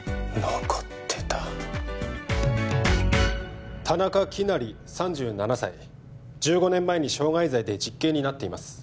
残ってた田中希也３７歳１５年前に傷害罪で実刑になっています